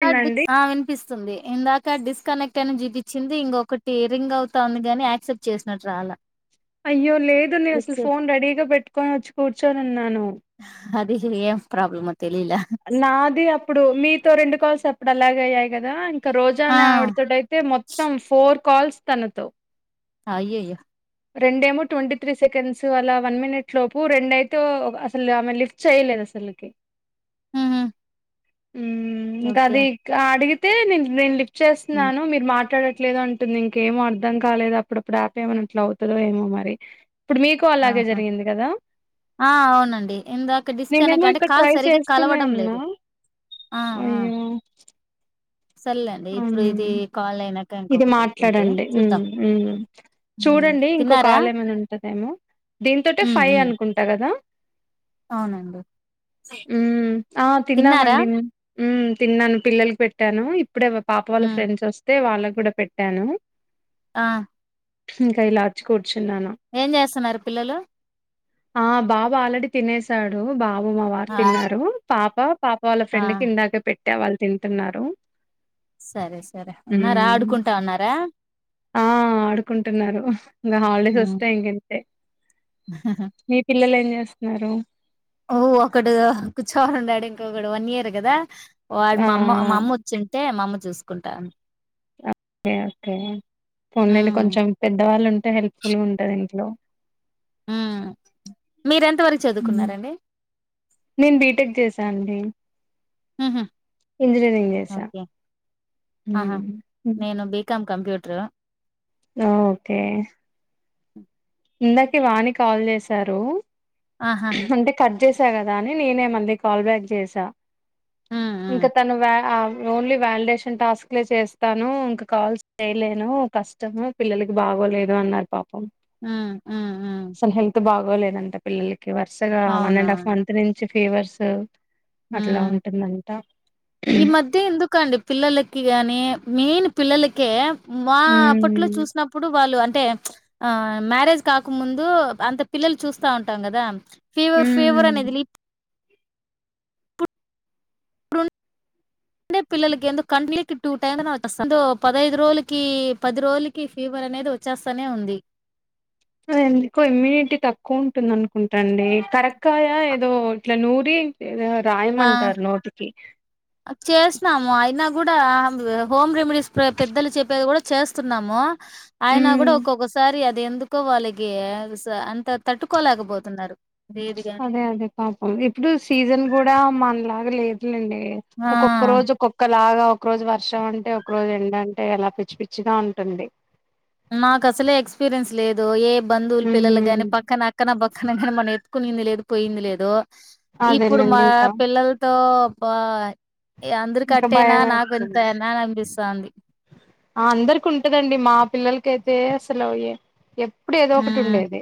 Third ందండి bits అ వినిపిస్ వస్తుంది. ఇందాక డిస్కనెక్ట్ అయిన చూపించింది ఇంకొకటి రింగ్ అవుతాంది గాని యాక్సెప్ట్ చేసినట్టు రాలె అయ్యో లేదు లే అసలు ఫోన్ రెడీగా పెట్టుకొని వచ్చి కూర్చనీ ఉన్నాను. అది ఏమ్ ప్రాబ్లమో తెలిలా నాది అప్పుడు మీతో రెండు కాల్స్ ఇప్పుడలాగే అయ్యాయి గదా ఇక ఆ రోజానే ఆవిడతోటయితే మొత్తం ఫోర్ కాల్స్ తనతో అయ్యాయో రెండేమో ట్వంటీ త్రీ సెకండ్స్ అలా వన్ మినిట్ లోపు రెండయితే ఓ అసలు ఆమె లిఫ్ట్ చేయలేదు అసలుకి హ్మ్ హ్మ్ ఇంకా అది క్ అడిగ్ తేనెన్ వెళ్లి ఉ చేస్తున్నాను మీరు మాట్లాడట్ లేదు అంటుంది. ఇంకేమో అర్ధం కాలేదు అప్పుడప్పుడు అప్ ఏమన్న అట్ల అవుతుదో ఏమో మరి ఇప్పుడు మీకు అలాగే ఆహా జరిగింది కదా ఆ అవునండి. ఇందాక డిస్కనెక్ట్ అంటే కాల్ సరిగా కలవట్ అన్నా అయ్యో సరలేండి ఇప్పుడు మ్మ్ ఇది కాల్ అయిన ఇది మాట్లాడండి. ఉమ్. చూడండి తిన్నారా ఇంకోకాల్ ఏమైనా ఉంటదేమో దింతోటే ఉ ఫైవ్ ఉ అనుకుంటా కదా అవునండి ఉమ్ ఆ తిన్నారా తిన్నామండి ఉమ్ తిన్నాను పిల్లలకి పెట్టాను. ఇప్ ఇప్పుడే పాప ఉ వాళ్ళ ఫ్రెండ్స్ వస్తే వాళ్ళకి కూడా పెట్టాను. ఆ ఇంకా ఇలా వోచ్చికూ ఏం చేస్తున్నారు పిల్లలు? ఆ బాబు ఆల్రెడీ తినసాడు. బా బాబు, మా వారు ఆ తిన్నారు. పాప పాప వాళ్ళ ఆ ఫ్రెండ్ కి ఇందాకే పెట్ ట్టా వాళ్ళు తింటున్నారు. సరే సరే ఉన్నార ఆడు మ్మ్ ఆ ఆడుకుంటున్నారు ఇంగా హాలిడేస్ వస్తే ఇంకా ఇంతే మీ పిల్ పిల్లలు ఏం చేస్తున్నారు? ఓ ఒకడు కూర్చోనున్నాడు, ఇంకొకడు వన్ ఇయర్ కదా. వాడు ఆ మా అమ్మ మా అమ్మ వచ్చింటే మామ్మ చూసుకుంటాను. ఓకే ఓకే ఉండండి. ఉమ్ కొంచెం పెద్దవాళ్ళు ఉంటే హెల్ప్ ఫుల్ గా ఉంటది ఇంట్లో. హు మీరెం హ్ నేను బీటెక్ చేస్ సా అండి. ఉహు ఇంజనీరింగ్ చేసా ఓకే ఊ ఆహా నేను బీకామ్ కంప్యూటర్ ఆ ఓకే హ్ ఇందాకే వాణి కాల్ చేసారు. ఆహా అంటే కట్ చేసి సా కదా అని నేనే మళ్లీ కాల్ బ్యాక్ చేసా. ఉమ్ ఉమ్ ఇంకా తను వా ఓన్లీ వాలిడేషన్ టాస్క్లే చేస్తాను, ఇంకా కాల్స్ చేయలేను కష్టము పిల్లలకి బాగోలేదు అన్నారు పాపం. ఆ ఆ ఆ గోలేదంట పిల్లలకి. వరుసగా వన్ అండ్ అఫ్ మంత్ నుంచి ఫీవర్సు హ ఈ మధ్య ఎందుకండి పిల్లలకి గాని మెయిన్ పిల్లలకె మా అప్పట్లో ఉమ్ చూసినప్పుడు వాళ్ళు అం టే ఆ మ్యారేజ్ కాకముందు అంత పిల్లలు చూస్తా ఉంటాం కదా ఫీవర్ ఫీవర్ ఉమ్ అనేదిలె [inaudible] ఉండే పిల్లలకి ఎందుకు కంటిన్యూకి టూ టైమ్స్ వస్తాది పదైదు రోజుల, పది రోజులకి ఫీవర్ అనేది వచ్చేస్తనే ఉంది. ఎందుకో ఇమ్యూనిటీ తక్కువ ఉంటుంది అనుకుంటాండి. కరెక్ కాయ ఏదో ఇట్లా నూరు క్రీమ్ ఏదో ఆ రాయమంటారు నోటికి న్నాము అయినా కూడా హోమ్ రెమెడీస్ పెద్దలు చెప్పేది కూడా చేస్తున్నాము అయినా ఉమ్ కూడా ఒక్కొక్కసారి అది ఎందుకో వాళ్ళకి స అంత తట్టుకోలేకపోతున్నారు ఏదిగా అదే అదే పాపం ఇప్పుడు సీజన్ కూడా మనలాగలేదు లేండి ఆ ఒక్కొక్క రోజు ఒక్కొక్క లాగా ఒక రోజు వర్షం అంటే ఒక రోజు ఎండ అంటే ఎలా పిచ్చి పిచ్చిగా ఉంటుంది మాకు అసలే ఎక్స్పీరియన్స్ లేదు ఏం బంధువులు పిల్లలు ఉమ్ గానీ పక్కన అక్కన బ తన ఘన మనేత్ కొనింది లేదు పోయింది లేదు ఇప్పుడు అదేలేండి మా ఇంకా పిల్లల్తో బాయ్ ఇంకా భయం ఏస్తుంది అని అనిపిస్తాంది అందరికి ఉంటదండి మా పిల్లలకి కెతే అసలు్య ఎ ఎప్ ఎప్పుడు ఏదో ఒకటి హ్మ్ ఉండేది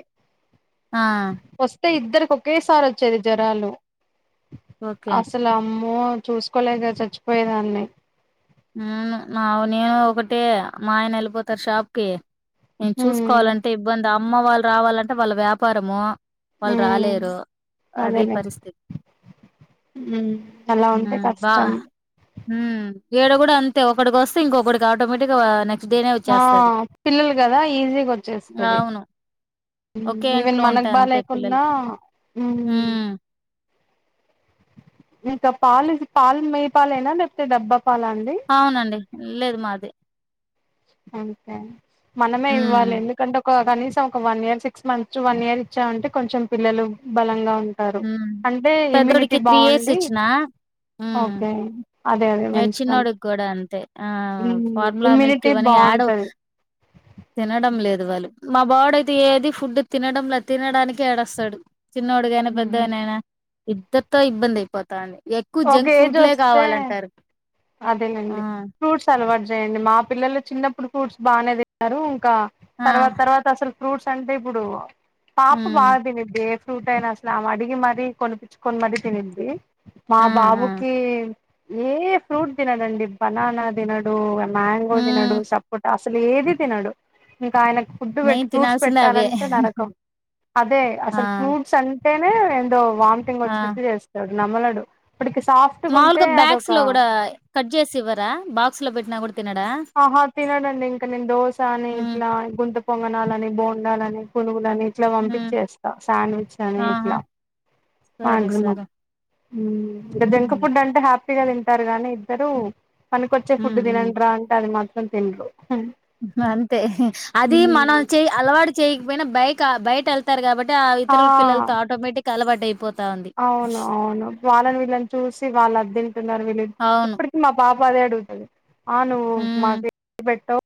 ఆ ఫస్ యితే ఇద్దరికి ఒకేసారి వచ్చేది జరాలు ఓకే అసల అం ఓ చూసుకోలే చ్ చ పోయేదాన్ని హ్మ్ నావనీ ఒకటే మా ఆయన వెళ్ళిపోతారు షాప్ కి నేను హ్మ్ చూసుకోవాలంటే ఇబ్బంది అ అమ్మ వాళ్ళు రావాలంటే వాళ్ళ వ్యాపారము వాళ్ళు హ్మ్ రాలేరు అది అదేలే పరిస్థితి హ్మ్ అలా ఉంటే హ్ం బా కష్టం హ్ం ఈడ కూడా అంతే ఒకడికి వస్తే ఇంకొకటికి ఆటోమేటిక్గా నె ఆ పిల్లలు కదా ఈజీగా వచ్చేస్తాది అవును ఒకే ఈవెన్ ఇంట్లో ఉంటే మనకు అంతే బాలేకున్నా పిల్లలకి హ్ం హ్మ్ ఇంకా పాలు పా మెయ్య పాాల ఏనా లేకపోతే డబ్బా చెప్పాలా అండి అవునండి లేదు మాది అంతే మనమే హ్మ్ ఇవ్వాలి ఎందుకంటే కనీసం ఒక one year six months to one year ఇచ్చామంటే కొంచం పిల్లలు బలంగా ంటారు హ్మ్ అంటే ఇమ్యూనిటీ పెద్దోడికి ఇయర్స్ బాగుండి ఒకే నే చిన్నోడికి కూడా అంతే ఆ ఉమ్, ఫార్ములా మిల్క్ ఇమ్యూనిటీ ఇవన్నీ యాడో బాగుంటది తినడం లేదు వాళ్ మా వాడు అయితే ఏది ఫుడ్ తినడం లే తినడానికి ఏడస్తాడు చిన్నోడు గాని ఉమ్, పెద్దోనైనా ఇద్దరితో ఇబ్బంది అయిపోతాంది ఎక్కువ జంక్ ఫుడ్లే కావాలన్ అదేనండి ఫ్రూట్స్ అలవాట్ చేయండి మా పిల్లలు చిన్నప్పుడు ఫ్రూట్స్ బానే తిన్నరు కా ఆ! తర్వాత తర్వాత అసలు ఫ్రూట్స్ అంటే ఇప్పుడు పాప హ్మ్. బా తినిద్ది ఫ్రూట్ అయినా అసలు ఆమె అడిగి మరి కొనిపిచ్చుకోని మరీ తినిద్ది మా ఆ ఆ బాబుకి ఏ ఫ్రూట్ తినడండి బనాన దినడు మ్యాంగో హ్మ్ దినడు సపోటాస్ అసలు ఏది తినడు ఇంకా ఆయన ఫుడ్ పెట్ మెయిన్ ఫ్రూట్స్ తినాల్సిందే అవే పెట్టాలంటే నరకం అదే ఆ అసలు ఫ్రూట్స్ అన్ టేనే దో వామిటింగ్ ఆ వచ్చినట్టు చేస్తాడు నమలడు వాడికి సాఫ్ట్‌గుంటే మాములుగా బ్యాగ్స్ అదొక లో కూడా కట్ చేసి ఇవ్వరా బాక్స్ లో పెట్టినా కూడ ఆహా తినడండి ఇంకా నేను దోశ అని హ్మ్ ఇట్లా గుంత పొంగనాలని బోండాలని పునుగులని ఇట్లా హ్మ్ పంపిచ్చేస్తా శాండ్విచ్ అని ఆహా ఇట్లా సరే మాక్సిమం సరే హ్మ్ జంక్ హ్మ్ ఫుడ్ అంటే హ్యాప్ చిగ తింటారు గానీ ఇద్దరు పనికొచ్చే ఫుడ్ తినండ్రా అది మాత్రం తిన్రు మ్మ్ అంతే అది మనం చేయ్ అలవాటు చేయి పోయినా బైక ఆ బైట వెళ్తారు కాబట్టి ఆ ఇతరుల ఆ పిల్లలతో ఆటోమేటిక్ అలవాటు అయిపోత్ అవును అవును వాళ్ళని వీళ్ళని చూసి వాళ్ళు అది తింటున్నారు వీళ్ళు ఇది అవును ఇప్పటికి మా పాప పది అడుగుతాది ఆ నువ్వు హ్మ్ మాకు ఏది పెట్టావ్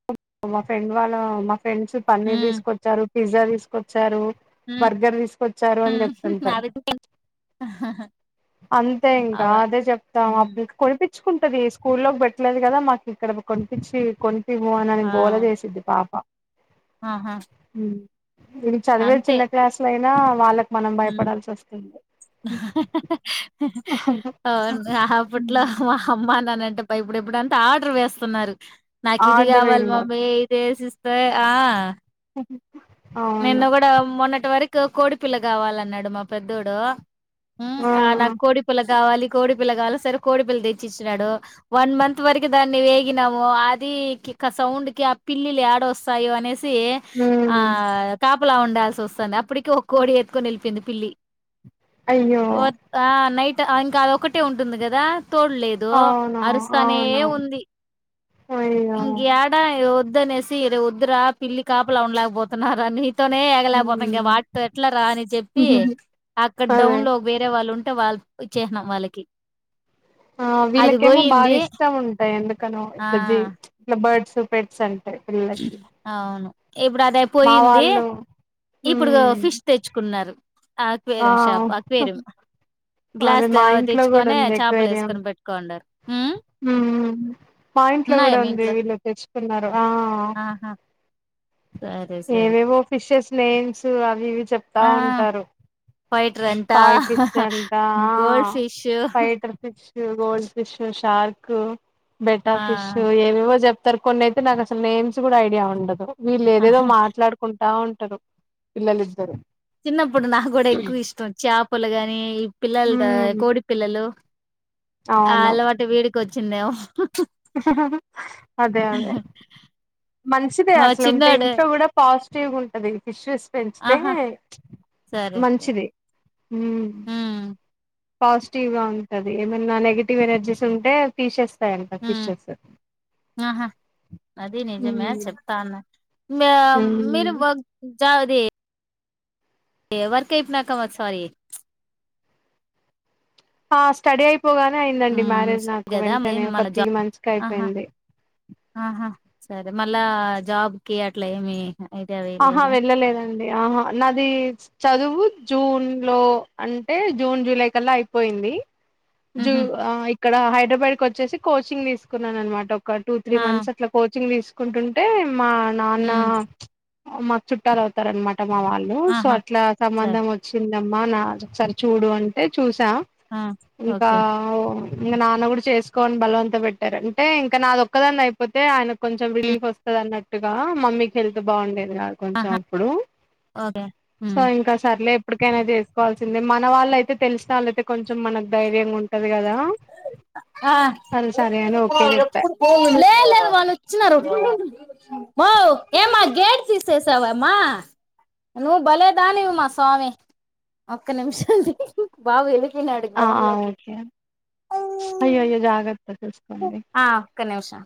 మా ఫ్రెండ్ వాళ్ళ మా ఫ్రెండ్స్ పన్నీర్ హ్మ్ తీసుకొచ్చారు పిజ్జా తీసుకొచ్చారు హ్మ్ బర్గర్ తీసుకొచ్చారు అని హ్మ్ చెప్తుంటారు అవి అంతే ఇంకా అవ అదే చెప్తాం హ్మ్ అప్పుడు కొని కొనిపిచ్చుకుంటది స్కూల్లోకి పెట్టలేదు కదా మాకు ఇక్కడ కొనిపించి కొ ఇంటికి పొనాని ఆ గోల చేసిద్ది పాప ఆహా ఇది చదివే అంతే చిన్న క్లాసుల అయినా వాళ్ళకు మనం భయపడాల్సి వస్తుంది అవున్ అప్పట్లో మా అమ్మా నాన్న అంటే భయపడేప్పుడు ఇప్పుడంతా ఆర్డర్ వేస్తున్నారు నాకు ఇది ఆర్డర్ కావాలి ఇల్లు మమ్మీ ఇది వేసి ఇస్తే ఆ ఉ నిన్న కూడా మొన్నటి వరకు కోడి పిల్ల కావాలన్నాడు మా పెద్దోడు మ్మ్ ఆ నాకు కోడి పిల్ల కావాలి కోడి పిల్ల కావాలా సరే కోడి పిల్ల తెచ్చినాడు వన్ మంత్ వరకు దాన్ని వేగినాము అది కిక్ సౌండ్ కి ఆ పిల్లిలు ఏడ వస్తాయో అనేసి ఆ హ్మ్ ఇలా ఉండాల్సి వస్తుంది అప్పటికే ఒక్క కోడి ఎత్తుకొని ఎల్లిపోయింది పిల్లి అయ్యో వొత్ ఆ నైట్ ఇంకా ఆ ఒక్కటే ఉంటుంది కదా తోడులేదు అవును అరుస్తానే అవును ఉంది అయ్యో ఇంకా యడా ఎవర్ వద్దు అనేసి వద్దురా పిల్లికి కాపల ఉండలేకపోతున్న గానిత్ నితోనే ఎగలేకపోతున్నాం ఇంక హ్మ్ వాటితో ఎట్లా రా అని చెప్పి అక్కడ అదే డౌన్ లో వేరే వాళ్ళు ఉంటే వాళ్ళు ఇచ్చేశ్నం వాళ్ళకి ఆ అది వీళ్ళకేమో బాగా పోయింది ఇష్టం ఉంటాయి ఎందుకనో ఆ ఇట్లా జీ ఇట్లా బర్డ్స్ పెట్స్ అంటే పిల్లలకి అవును ఇప్పుడు అదె మా పోయింది వాళ్ళు ఇప్పుడు హ్మ్ ఫిష్ తెచ్చుకున్నారు ఆ అక్వేరియం షాప్ అక్వేరియం అదే గ్లాస్ మా ఇంట్లో కూడా తెచ్చుకొనే ఉంది చేపలు ఎక్వేరియం వేసుకొని పెట్టుకోండారు హ్మ్. హ్మ్ మా ఇంట్లో ఉన్నాయా కూడా మీ ఉంది ఇంట్లో వీళ్ళ తె తిన్లా ఆ ఆహా సరే సరే ఏవేవో ఫిషెస్ నేమ్స్ అవి ఇవి చెప్తా ఆ ఉంటారు ఫైటరంట కాయ ఫిష్ అంటా gold fish fighter fish gold fish శెషార్క్ ఆ బెటర్ ఫిష్ ఏవేవో చెప్ సరె కొన్ని అయితే నాకు అసలు నేమ్స్ కూడా ఐడియా ఉండదు వీళ్ళ ఏదేదో మాట్లాడుకుంటా ఉంట టదు పిల్లలిద్దరు చిన్న ఇప్పుడు నాకు కూడా ఎక్కువ ఇష్టం చేపలు కాని ఈ పిల్లలు ఉమ్ కోడి పిల్లలు ఆ అవును అలవాటు వీడికి కూడ వచ్చిందేమో అదే అదే మంచిదే ఆ అట్ల ఉంటే చిన్నోడు ఇంట్లో కూడా పాజి టివ్ గా ఉంటది ఈ ఫిష్స్ పెంచితే ఆహా సరే మంచిది హ్మ్ హ్మ్ పాజిటివ్ గా ఉంటది ఏమన్నా నెగటివ్ ఎనర్జీస్ ఉంటే తీసేస్త హ్మ్ ఆహా అది ఉమ్ నిజమే చెప్తాన్నా మ ఉమ్ మీరు వర్ చావ్ దే వర్క్ అయిపోయినాక వస్తవా ఏ ఆ స్టడీ అయి పోగానే అయిందండి హ్మ్ మ్యారేజ్ నాకు కదా వెంటనే ఒక మళ్ళ త్రీ జాబ్ మంత్స్ కె ఆహా అయిపోయింది ఆహా సరే మళ్ళా జాబ్కి అట్లా ఏమి అయితే అవి ఆహా లేదా వెళ్ళలేదండి ఆహా నాది చదువు జూన్ లో అంటే జూన్ జూలై కల్లా అయిపోయింది జు హుహు. అ ఇక్కడ హైడ్రబాద్ కి వచ్చేసి కోచింగ్ తీసుకున్నాననమాట ఒక టూ త్రీ ఆ! మంత్స్ అట్ల కోచింగ్ దీస్ కుంటుంటే మా నాన్న హ్మ్. మా చుట్టారవుతారనమాట ట మా వాళ్ళు సో ఆహా! అట్లా సరే. సంబంధం వచ్చింది యమ్మా నాదొకసారి చూడు అంటే చూస్ ఆ! ఇంకా ఓకే. ఒ ఇంకా నాన్న కూడా చేసుకో అని బలవంత పెట్టారు అంటే ఇంకా నాది ఒక్కదానిది అయిపోతే ఆయనకు కొంచెం హ్మ్. రిలీఫ్ వస్తది అన్నట్టుగా మమ్మీకి హెల్త్ బాగుండే ఆహా! ఓకే. సో హ్మ్. ఇంకా సర్లే ఎప్పటికైనా చేసుకోవాల్సిందే మన వాళ్ళయితే తెలిసినళ్ళయితే కొంచెం మనకు ధైర్యంగుంటది కదా ఆ సరే సరే అని ఓకే చెప్పా లేదు లేదు వాళ్లు వచ్చినారు మావ్ ఏమా గేట్ తీసేసావమ్మా నువ్వు భలేదానివి మా స్వామి ఒక్క నిమిషం బాబు ఏడు ఆ ఆ ఓకే స్ అయ్యో అయ్యో జాగర్ త చూస్కోండి ఆ! ఒక్క నిమిషం